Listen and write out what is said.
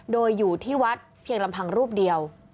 โดยอยู่ที่วัดเพียงลำพังรูปเดียว